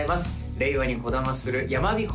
令和にこだまするやまびこ